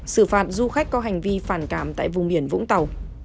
xử phạt du khách có hành vi phản cảm tại vùng biển vũng tàu